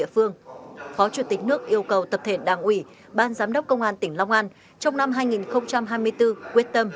phó chủ tịch nước yêu cầu tập thể đảng ủy ban giám đốc công an tỉnh long an trong năm hai nghìn hai mươi bốn quyết tâm